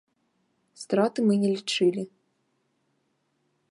Страты мы не лічылі.